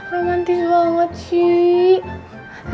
romantis banget sih